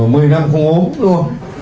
mười năm không ốm luôn